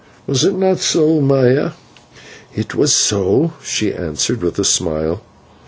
Was it not so, Maya?" "It was so," she answered with a smile.